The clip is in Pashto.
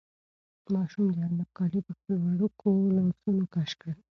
ماشوم د انا کالي په خپلو وړوکو لاسونو کش کړل.